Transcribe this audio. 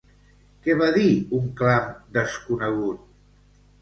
Què va dir un clam desconegut?